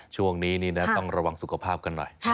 ช่วงนี้นี่นะต้องระวังสุขภาพกันหน่อย